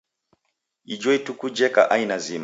Ijo itunda jeka aina zima.